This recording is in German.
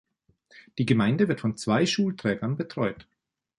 Die Gemeinde wird von zwei Schulträgern betreut.